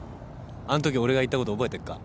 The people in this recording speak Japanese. あんとき俺が言ったこと覚えてっか？